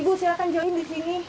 ibu silahkan join di sini